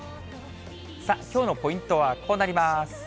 さあ、きょうのポイントはこうなります。